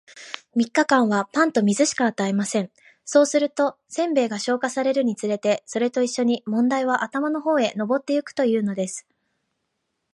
三日間は、パンと水しか与えません。そうすると、煎餅が消化されるにつれて、それと一しょに問題は頭の方へ上ってゆくというのです。